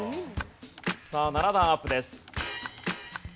さあ７段アップです。